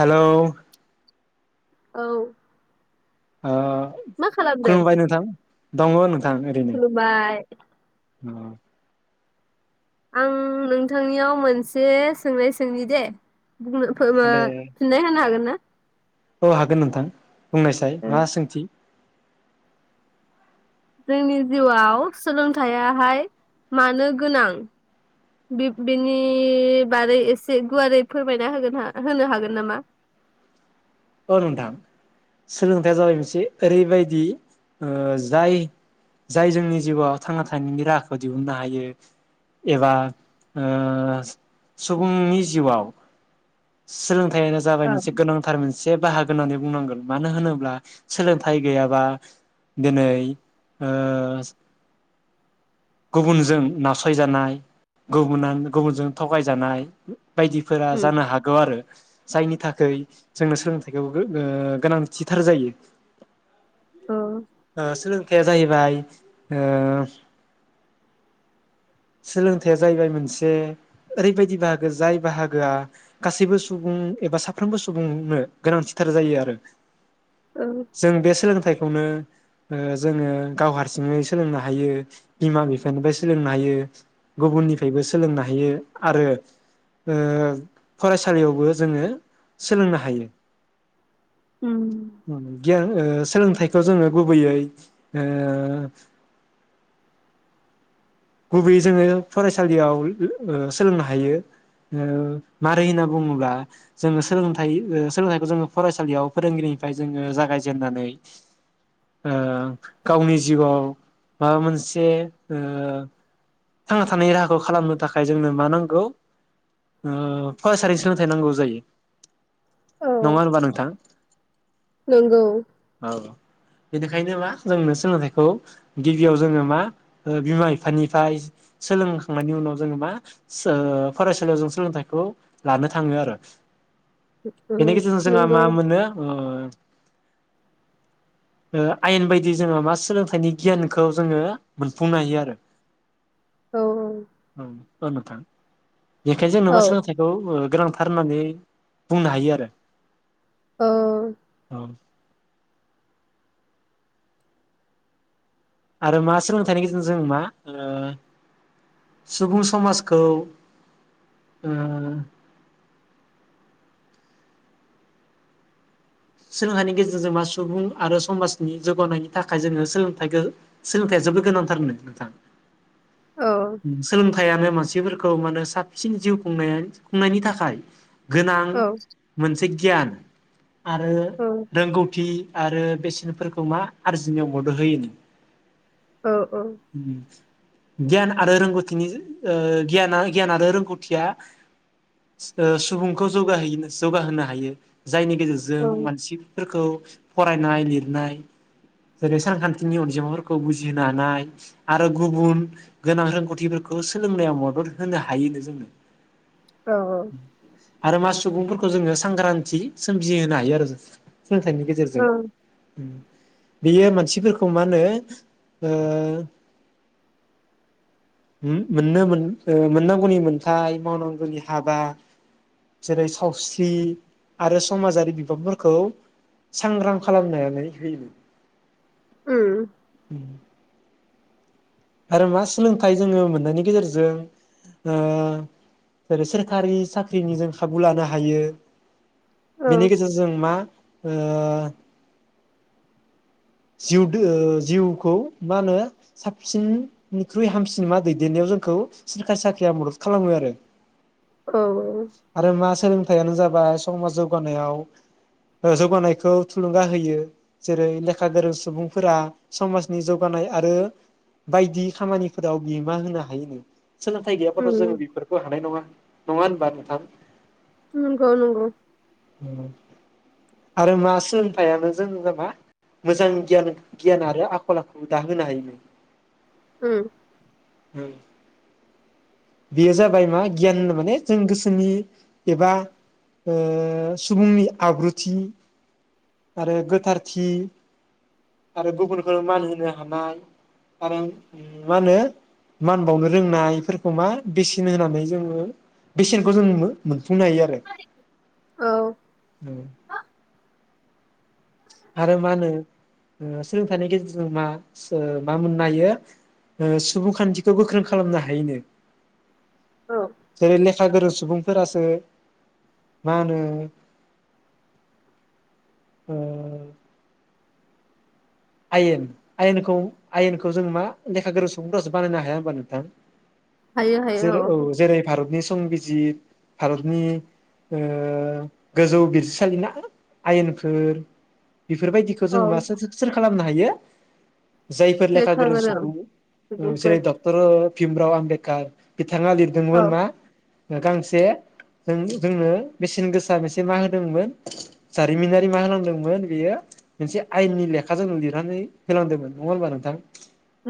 Hello औ अ मा खालामदों खुलुमबाय नोंथां दंङ नों खुलुमबाय अ आं नोंथांनियाव मोनसे सोंनाय सोंनि दे। बुंनो फोमो बे फिननाय होनो हागोन ना? औ हागोन नोंथां। बुंनायसाय मा सोंथि? जोंनि जिउआव सोलोंथायाइयाहाय मानो गोनां बिब बिनि बारै एसे गुवारै फोरमायना होगोन होनो हागोन नामा? औ नोंथां सोलोंथाइया जाबाय मोनसे ओरैबायदि ओ जाय जाय जोंनि जिउआव थांना थानायनि राहाखौ दिहुननो हायो एबा ओ सुबुंनि जिउआव सोलों थाय आनो जाबाय अ मोनसे गोनांथार मोन से बाहागो होननानै बुंनांगोन मानो होनोब्ला सोलोंथाइ गैयाबा दिनै ओ गुबुनजों नासयजानाय गुबुनान गुबुनजों थगायजानाय बायदिफोरा जानो हागौ आरो। जायनि थाखै जोंनो सोलोंथाइखौ गो ओ गोनांथिथार जायो। औ ओ सोलोंथाया जाहै बाय ओ सोलोंथाया जाहैबाय मोनसे ओरैबादि बाहागो जाय बाहागोया गासैबो सुबुं एबा साफ्रामबो सु सुबुंनो गोनांथिथार जायो आरो। औ जों बे सोलोंथाइ खौनो जोङो गाव हारसिङै सोलोंनो हायो बिमा बिफानिफ्राय सोलोंनो हायो गुबुननिफ्रायबो सोलोंनो हायो आरो फरायसालियावबो जोङो सोलोंनो हायो। उम गियान सोलोंथाइखौ जोङो गुबैयै गुबैयै जोङो फरायसालियाव सोलोंनो हायो मारै होनना बुङोब्ला जोङो सोलोंथाइ सोलोंथाइखौ जोङो फरायसालियाव फोरोंगिरिनिफ्राय जोङो जागायजेेननानै गावनि जिउआव माबा मोनसे थांना थानाय राहाखौ खालामनो थाखाय जोंनो मा नांगौ फरायसालिनि सोलोंथाइ नांगौ जायो। औ नङा होनबा नोंथां नंगौ औ बेनिखायनो मा जोंनो सोलोंथाइखौ गिबियाव जोङो मा बिमा बिफानिफ्राय सोलोंखांनायनि उनाव जोङो मा फरायसालियाव जों सोलोंथाइखौ लानो थाङो आरो। उम बेनि गेजेरजों जोंहा नंगौ मा मोनो आयेन बायदि जोङो मा सोलोंथाइनि गियानखौ जोङो मोनफुंनो हायो आरो। औ औ औ नोंथां। बेेखाय जोंनो औ मा सोलोंथाइखौ ओ गोनांथार होननानै बुंनो हायो आरो। औ। [inaudible] आरो मा सोलोंथाइनि गेजेरजों जों मा ओ सुबुं समाजखौ ओ सोलोंथाइनि गेजेरजों मा सुबुं आरो समाजनि जौगानायनि थाखाय जोङो सोलोंथायखौ सोलोंथाया जोबोद गोनांथारनो नोंथां। औ सोलोंथाइआनो मानसि [unintelligible] मानो साबसिन जिउ खुंनाया- खुंनायनि थाखाय। गोनां औ मोनसे गियान। आरो औ रोंगौथि। आरो बेसेनफोरखौ मा आरजिनायाव मदद होयो नो। औ औ। गियाना। आरो रोंगौथिनि ओ गियाना गियान आरो रोंगौथिया ओ सुबुंखौ जौगा जौगाहोनो हायो। जायनि गेजेरजों मानसिफोरखौ फरायनाय लिरनाय जेरै सानखान्थिनि अनजिमाफोरखौ बुजि होनो हानाय आरो गुबुन गोनां रोंगौथिफोरखौ सोलोंनायाव मदद होनो हायो नो जोंनो। औ [inaudible] आरो मा सुबुंफोरखौ जोङो सांग्रांथि सोमजिहोनो हायो आरो जों। सोलोंथाइनि गेजेरजों। औ औ बेयो मानसिफोरखौ मा होनो ओ [unintelligible] मोननो मोन ओ मोननांगौनि मोनथाय मावनांगौनि हाबा जेरै सावस्रि आरो समाजारि बिबांफोरखौ सांग्रां खालामनानै होयो। उम। आरो मा सोलोंथाइ जोङो मोननायनि गेजेरजों ओ सोरखारि साख्रिनि जों खाबु लानो हायो। औ बेनि गेजेरजों मा ओ। जिउ जिउखौ मा होनो साबसिननिख्रुइ हामसिन मा दैदेननायाव जोंखौ सोरखारा साख्रिया मदद खालामो आरो। औ आरो मा सोलों थाइयानो जाबाय समाज जौगानायाव जौगानायखौ थुलुंगा होयो। जेरैे लेखा गोरों सुबुंफोरा समाजनि जौगानाय आरो बायदि खामानिफोराव बिहोमा होनो हायो। सोलोंथाइ गैयाबाथ जोङो उम बेफोरखौ हानाय नङा। नङा होमबा नोंथां? नंगौ नंगौ। आरो मा सोलोंथाइयानो जों [unintelligible] मोजां गियान गियान आरो आखल आखु दाहोनो हायोनो। उम औ बेयो जाबाय मा गियान होनो माने जों गोसोनि एबा ओ सुबुंनि आब्रुथि आरो गोथारथि आरो गुबुनखौनो मान होनो हानाय आरो मा होनो मान बावनो रोंनायफोर खौमा बेसेन होनानै जोङो बेसेनखौ जों मो-मोनफुंनो हायो आरो औ उम आरो मा होनो ओ सोलोंथाइनि गेजेरजों मा सो मा मोननो हायो ओ सुबुंखान्थिखौ गोख्रों खालामनो हायनो औ जेरै लेखा गोरों सु सुबुंफोरासो मा होनो ओ आयेन आयेनखौ आयेनखौ जों मा लेखा गोरों सुबंफोरासो बानायनो हाया होनबा नोंथां? हायो हायो जेरै औ जेरै भारतनि संबिजिर भारतनि ओ गोजौ बिजिरसालि ना आयेनखो बेफोरबायदिखौ औ जों [unintelligible] खालामनो हायो जायफोर लेखा गोरों सुबुं सुबुंफोर जेरै डक्टर भिमराव [unintelligible] बिथाङा औ लिरदोंमोन मा गांसे जों-जोंनो मेसेन गोसा मोनसे मा होदोंमोन जारिमिनारि मा होनांदोंमोन बेयो मोनसे आयेननि लेखा खा जोंनो लिरनानै होलांदोंमोन नङा होमबा नोंथां?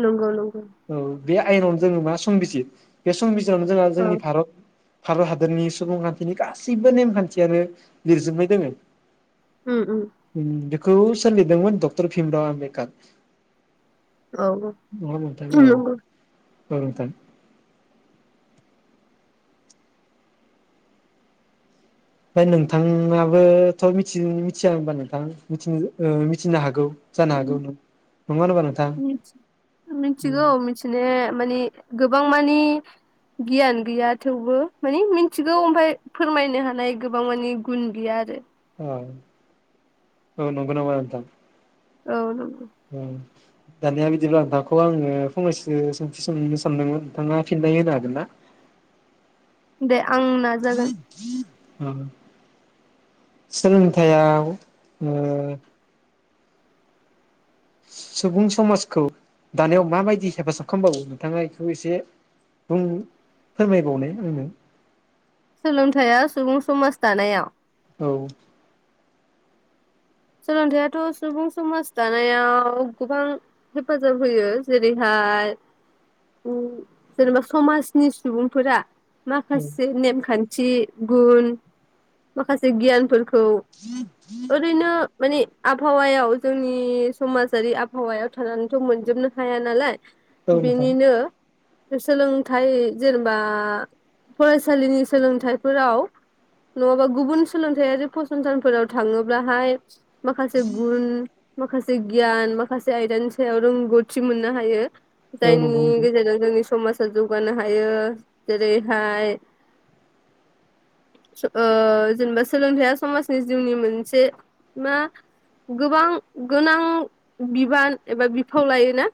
नंगौ नंगौ औ बे आयेनावनो जोङो मा संबिजित बे संबिजित जों जोंहा औ जोंनि भारत भारत हादरनि सुबुंखान्थिनि गासैबो नेमखान्थियानो लिरजोबनाय दोङ। उम उम खौ सोलिदोंमोन दग- थर भिमराव आमबेदकार। औ औ औ [unintelligible] औ नोथां फ्राय नोंथाङाबोथ मिथिन मिथिया होमबा नोंथां मिथिनो ओ मिथिनो हागौ। जानो उम हागौ नों नङा होनबा नोंथां मिनथ्स मिथिगौ मिथिनाया माने गोबां गो मानि गियान गैया थेवबो मानि मिथिगौ ओमफाय फोरमायनो हानाय गोबां मानि गुन गैया आरो ओ औ नंगौ नामा नोंथां औ औ दानिया बिदिब्ला नोंथांखौ आङो फंनैसो सोंथि सोंनो सानदोंमोन नोंथाङा फिननाय होनो हागोन ना? दे आं नाजागोन उम सोलोंथाययाव उम सुबुं समाजखौ दानायाव माबायदि हेफाजाब खालामबावो नोंथाङा ऐखौ एसे बुं फोरमायबावनाय आंनो। सोलोंथाया सुबुं समाज दानायाव औ। सोलोंथायाइथ सुबुं समाज दानायाव गोबां हेफाजाब होयो जेरैहाय उम जेनेबा समाजनि सुबुंफोरा। माखासे औ नेम खान सि गुन माखासे गियान फोरख खौ ओरैनो। मानि आबहावायाव जोंनि समाजारि आबहावायाव थानानैथ मोनजोबनो हाया नालाय। औ नोंथां बिनिनो सोलोंथाइ जेनेबा फरायसालिनि सोलोंथाइफोराव नङाबा गुबुन सोलोंथायाइआरि फसंथानफोराव थाङोब्लाहाय। माखासे गुुन माखासे गियान माखासे आयदानि सायाव रोंगौथि मोननो हायो। औ नंगौ जायनि नोंथां गेजेरजों जोंनि समाज जौगानो हायो जेरैहाय सो ओ जेनेबा सोलोंथाइया समाजनि जिउनि मोनसे मा गोबां गोनां बिबान एबा बिफाव लायो ना।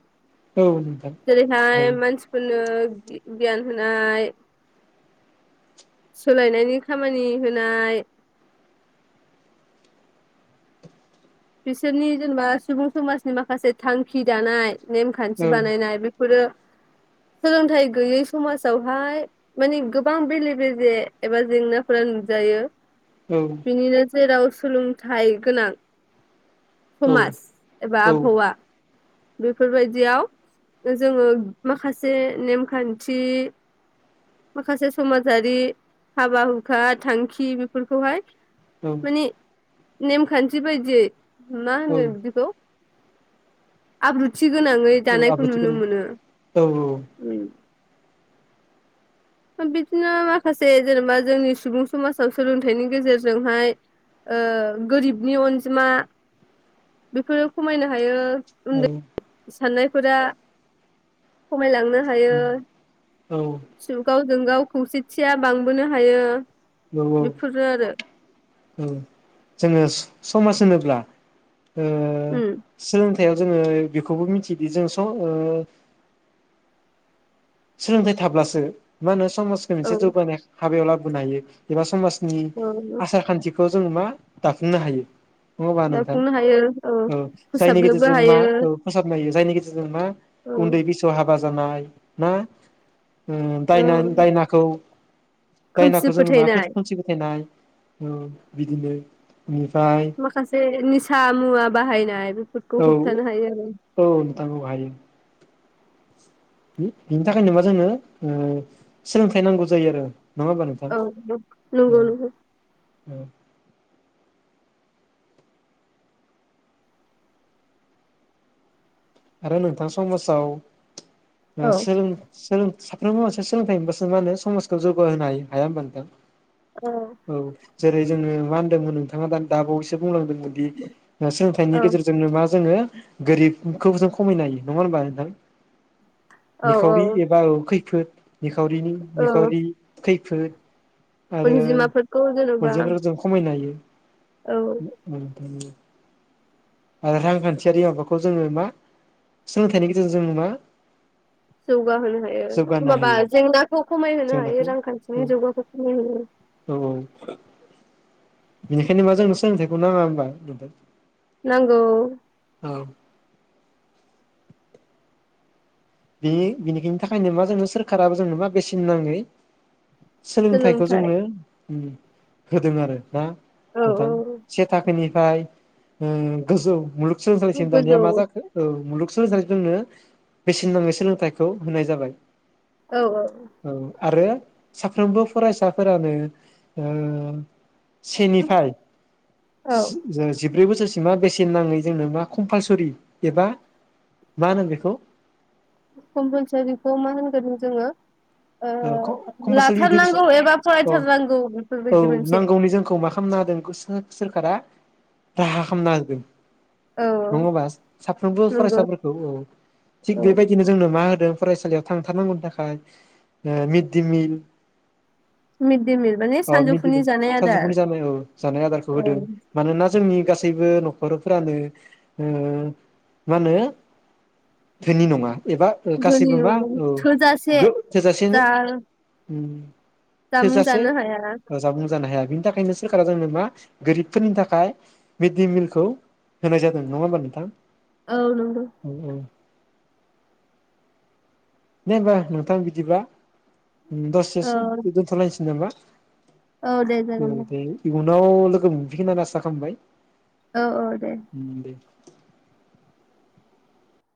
औ नोंथां जेरै हाय मानसिफोरनो बि गियान होनाय। सोलायनायनि खामानि होनाय। बिसोरनि जेनेबा सुबुं समाजनि माखासे थांखि दानाय। नेम खान्थि हायो बानायनाय बेफोरो सोलोंथाइ गैयै समाजावहाय माने गोबां बेले बेजे एबा जेंनाफोरा नुजायो। औ बिनिनो जेराव थुलुंथाइ गोनां। औ थमास एबा औ आबहावा। बेफोरबायदियाव जोङो माखासे नेमखान्थि माखासे समाजारि हाबा हुखा थांखि बेफोरखौहाय औ माने नेमखान्थि बायदियै मा औ होनगोन बिदिखौ? आब्रुद थि गोनाङै औ दानायखौ आब्रुथि नुनो गोनां मोनो। औ बिदिनो माखासे जेनेबा जोंनि सुबुं समाजाव सोलोंथाइनि गेजेरजोंहाय ओ गोरिबनि अनजिमा बेफोरो खमायनो हायो। औ थानायफोरा खमायलांनो हायो। औ गावजों गाव खौसेथिया बांबोनो हायो। बेफोरनो आरो [unintelligible] जोङो समाज होनोब्ला उम [unintelligible] थायाव जोङो बेखौबो मिथिदि जों स ओ सोलोंथाइ थाब्लासो मा होनो समाजखौ औ मोनसे जौगानाय हाबायाव लाबोनो हायो एबा समाज उ औ आसार खान्थि बेखौ जों मा दाफुंनो हायो नङा होम्बा नोंथां दाफुंनो हायो औ जायनि फोसाबनोबो गेजेरजों मा हायो औ फोसाबनो हायो जायनि गेजेरजों मा औ उन्दै बैसोआव हाबा बा जानाय ना उ औ दायना-दायनाखौ खोमसि दायनाखौ जोङो [unintelligible] फोथायनाय खोमसि फोथायनाय औ बिदिनो बेनिफ्राय माखासे निसा मुवा बाहायनाय बेफोरखौ औ होबथानो हायो आरो औ नोंथां औ हायो बि-बिनि थाखायनो मा जोंङो ओ सोलोंथाइ नांगौ जायो आरो। नङा होमबा नोंथां औ औ नंगौ नंगौ। [inaudible] आरो नोंथां समाजाव ओ औ सोलों सोलों साफ्रोमबो मानसिया सोलोंथाइ मोनबासो माहोनो समाजखौ जौगाहोनो हायो हाया होनबा नोंथां? औ औ। जेरै जोङो मा होन्दोंमोन नोंथाङा दा दाबावैसो बुंलांदों। दि ओ सोलोंथाइनि औ गेजेरजोंनो मा जोङो गोरिब। खौबो जों खमायनो हायो नङा होमबा नोंथां? औ निखावरि एबा औ खैफोद। नि खावरिनि औ निखावरि खै फोद आरो अनजिमाफोरखौ जेन'बा अनजिमाफोरखौ जों खमायनो हायो। औ [inaudible] आरो रांखान्थियारि माबाखौ जोङो मा सोलोंथाइनि गेजेरजों जोङो मा जौगाहोनो हायो औ जौगानो माबा हायो जेंनाखौ खमायहोनो जों हायो नाखौ औ रांखान्थिनि जौगाखौ खमायहो औ बेनिखायनो मा जोंनो सोलोंथाइखौ नाङा होनबा नथां नांगौ औ बेनि बेनिखिनि थाखायनो मा जोंनो सोरखाराबो जोंनो मा बेसेन नाङै सोलोंथाइखौ सोलोंथाइ जोंनो उम होदों आरो ना औ नोंथां से थाखोनि फ्राय ओं गोजौ मुलग औ सोलोंसालिसिम दानिया गोजौ मा जाखो औ मुलुग [unintelligible] बेसेन नाङै सोलोंथाइखौ होनाय जाबाय औ आरो साफ्रोमबो फरायसाफोरानो ओं सेनिफ्राय औ सि जिब ब्रै बोसोरसिमा बेसेन नाङै जोंनो मा कम्पालसरि एबा मा होनो बेखौ कम्पानसरिखौ मा होनगोन जोङो औ ओ कम्पालसरि इडुकेसन लाथारनांगौ एबा अ फरायथारनांगौ औ बेफोरबायदि मोनसे नांगौनि जोंखौ मा खालामना होदों सोरखारा राहा खालामना होदों औ नंगौबा साफ्रोमबो नंगौ फरायसाफोरखौ औ थिग औ बेबायदिनो जोंनो मा होदों फरायसालियाव थांथारनांगौनि थाखाय ओ मिददि मिल मिड दे मिल माने अ मिडडे सानजौफुनि मिल जानाय आदार सानजौफुनि जानाय औ जानाय आदारखौ औ होदों मानोना जोंनि गासैबो नखरफोरानो ओ मा होनो धोनि नङा एबा ओ जोंनि गासैबो बा औ थोजासे गो थोजासेनो जा उम जामुं थोजासे जानो हाया जामुं जानो हाया बिनि थाखायनो सोरखारा जोंनो मा गोरिबफोरनि थाखाय मिडडे मिलखौ होनाय जादों नङा होमबा नोंथां औ नंगौ औ औ दे होनोमबा नोंथां बिदिबा दसे सम औ दोनथलायसै नामा औ दे जागोन दे उनाव लोगो मोनफैखिनानै आसा खालामबाय औ औ दे। दे